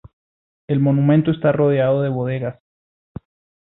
El monumento está rodeado de bodegas.